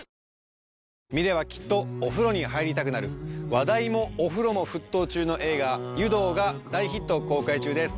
話題もお風呂も沸騰中の映画『湯道』が大ヒット公開中です。